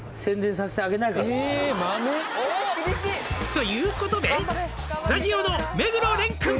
「ということでスタジオの目黒蓮くん」